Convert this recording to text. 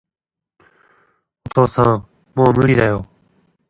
お父さん、もう無理だよ